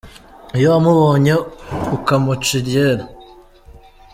Iyo wamubonye ukamuca iryera